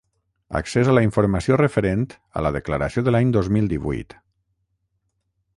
Accés a la informació referent a la Declaració de l'any dos mil divuit.